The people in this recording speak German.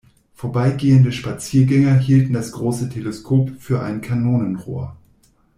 Vorbeigehende Spaziergänger hielten das große Teleskop für ein Kanonenrohr.